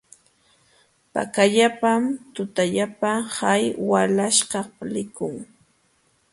Pakallapam tutallapa hay walaśhkaq likun.